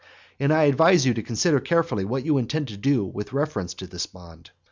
And I advise you to consider carefully what you intend to do with reference to this bond.